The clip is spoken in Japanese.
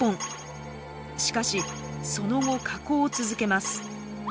しかしその後下降を続けます。